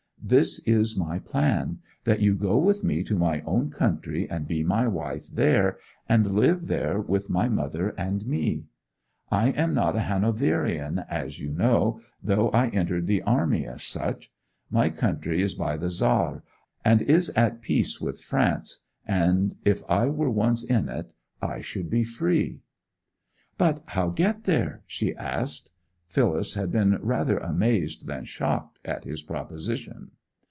This is my plan. That you go with me to my own country, and be my wife there, and live there with my mother and me. I am not a Hanoverian, as you know, though I entered the army as such; my country is by the Saar, and is at peace with France, and if I were once in it I should be free.' 'But how get there?' she asked. Phyllis had been rather amazed than shocked at his proposition.